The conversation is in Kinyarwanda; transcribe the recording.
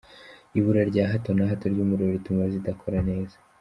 Ibura rya hato na hato ry’umuriro rituma zidakora neza.